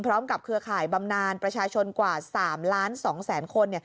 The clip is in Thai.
เครือข่ายบำนานประชาชนกว่า๓ล้าน๒แสนคน